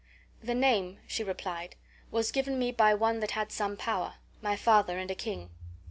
"The name," she replied, "was given me by one that had some power, my father and a king."